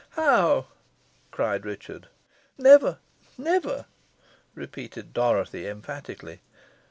"How?" cried Richard. "Never never!" repeated Dorothy, emphatically.